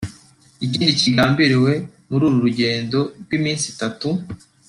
Ikindi kigambiriwe mu uru rugendo rw’iminsi itatu